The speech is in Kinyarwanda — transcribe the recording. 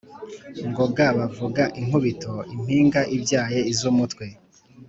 Ngoga bavuga inkubito impinga ibyaye iz’umutwe,